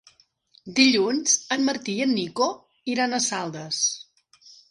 Dilluns en Martí i en Nico iran a Saldes.